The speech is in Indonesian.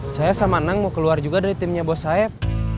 saya sama nang mau keluar juga dari timnya bos saeb